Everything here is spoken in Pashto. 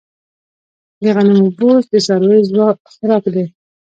د غنمو بوس د څارویو خوراک دی.